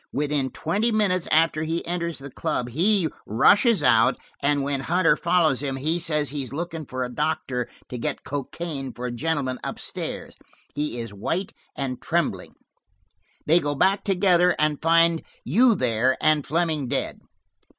Within twenty minutes after he enters the club he rushes out, and when Hunter follows him, he says he is looking for a doctor, to get cocaine for a gentleman up stairs. He is white and trembling. They go back together, and find you there, and Fleming dead.